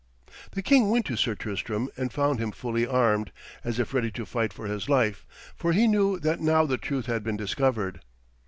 The king went to Sir Tristram and found him fully armed, as if ready to fight for his life, for he knew that now the truth had been discovered.